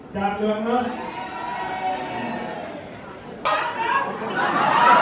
จากเดือนเงิน